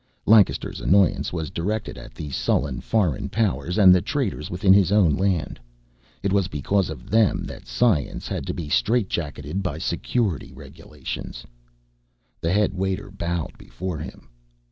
Lancaster's annoyance was directed at the sullen foreign powers and the traitors within his own land. It was because of them that science had to be strait jacketed by Security regulations. The headwaiter bowed before him.